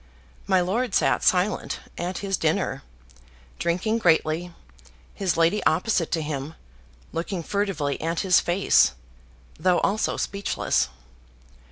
My lord sat silent at his dinner, drinking greatly, his lady opposite to him, looking furtively at his face, though also speechless.